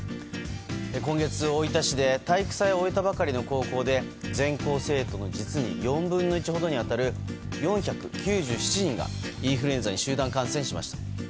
今月、大分市で体育祭を終えたばかりの高校で全校生徒の実に４分の１ほどに当たる４９７人がインフルエンザに集団感染しました。